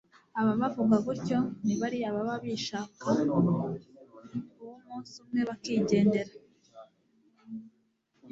ababavuga gutyo nibariya baba bishaka uwumunsi umwe bakigendera